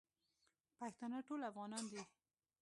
پښتانه ټول افغانان دی.